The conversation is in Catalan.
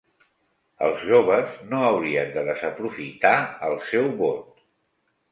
Els joves no haurien de desaprofitar el seu vot.